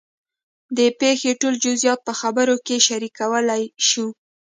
د پېښې ټول جزیات په خبرو کې شریکولی شو.